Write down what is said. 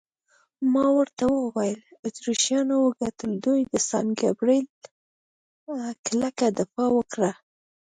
ما ورته وویل: اتریشیانو وګټل، دوی د سان ګبرېل کلکه دفاع وکړه.